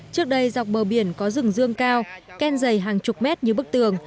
trước đây dọc bờ biển có rừng dương cao ken dày hàng chục mét như bức tường